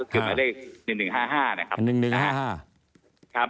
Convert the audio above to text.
คือหมายเลข๑๑๕๕นะครับ